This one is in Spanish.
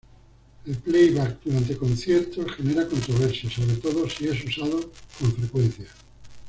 El playback durante conciertos genera controversia, sobre todo si es usado con frecuencia.